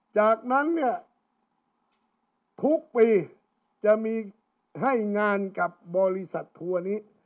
จากนั้นเนี่ยทุกปีจะมีให้งานกับบริษัททัวร์นี้